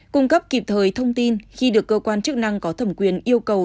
cung cấp kịp thời thông tin khi được cơ quan chức năng có thẩm quyền yêu cầu